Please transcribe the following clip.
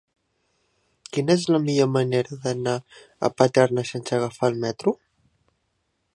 Quina és la millor manera d'anar a Paterna sense agafar el metro?